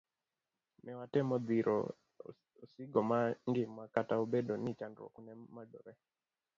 Newatemo dhiro osigo mar ngima kata obedo ni chandruok ne medore.